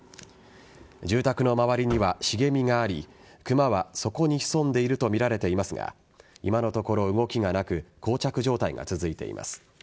住宅の周りには茂みがありクマはそこに潜んでいるとみられていますが今のところ動きがなく膠着状態が続いています。